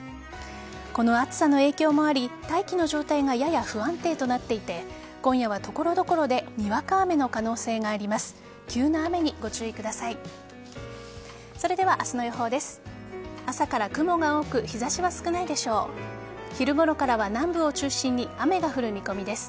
この暑さの影響もあり大気の状態がやや不安定となっていて今夜は所々でにわか雨の可能性があります。